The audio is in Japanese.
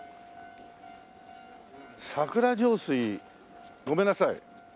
桜上水ごめんなさい。